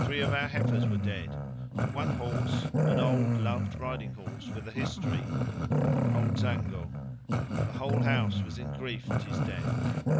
Three of our heifers were dead, and one horse an old loved riding horse with a history, old Zango the whole house was in grief at his death!